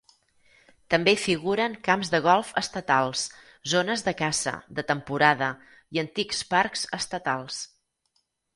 També hi figuren camps de golf estatals, zones de caça de temporada i "antics" parcs estatals.